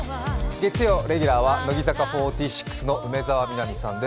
月曜、レギュラーは乃木坂４６の梅澤美波さんです。